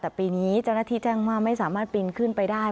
แต่ปีนี้เจ้าหน้าที่แจ้งว่าไม่สามารถปีนขึ้นไปได้